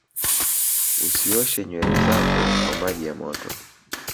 usioshe nywere zako kwa maji ya moto